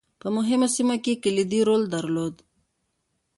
په مهمو سیمو کې یې کلیدي رول درلود.